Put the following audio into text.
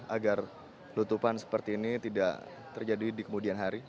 agar lutupan seperti ini tidak terjadi di kemudian hari